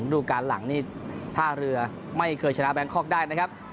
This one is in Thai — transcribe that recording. ดูการหลังนี่ท่าเรือไม่เคยชนะแบงคอกได้นะครับ